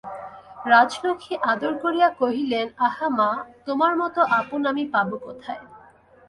রাজলক্ষ্মী আদর করিয়া কহিলেন, আহা মা, তোমার মতো আপন আমি পাব কোথায়।